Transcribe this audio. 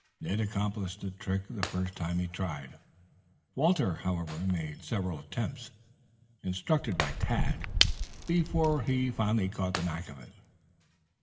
Ned accomplished the trick the first time he tried. Walter, however, made several attempts, instructed by Tad, before he finally caught the knack of it.